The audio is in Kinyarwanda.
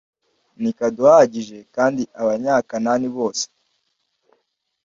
ntikaduhagije kandi abanyakanani bose